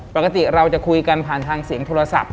ปกติเราจะคุยกันผ่านทางเสียงโทรศัพท์